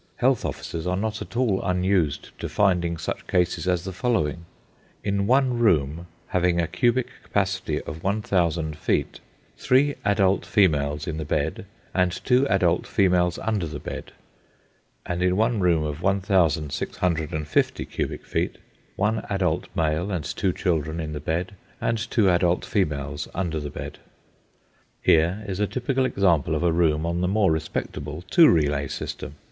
Health officers are not at all unused to finding such cases as the following: in one room having a cubic capacity of 1000 feet, three adult females in the bed, and two adult females under the bed; and in one room of 1650 cubic feet, one adult male and two children in the bed, and two adult females under the bed. Here is a typical example of a room on the more respectable two relay system.